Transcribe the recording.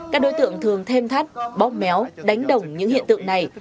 các đối tượng thường thêm thắt bóp méo đánh đồng những hiện tượng này